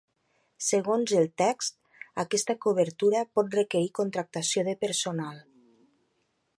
Segons el text, aquesta cobertura pot requerir contractació de personal.